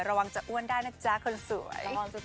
ระวังจะอ้วนได้นะจ๊ะคนสวย